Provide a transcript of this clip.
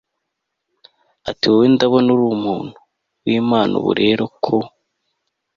atiwowe ndabona uri umuntu wImana ubu rero uko